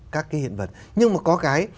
các cái hiện vật nhưng mà có cái